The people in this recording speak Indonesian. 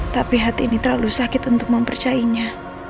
tapi hati ini terlalu sakit untuk mempercayainya